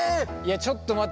ちょっと待って。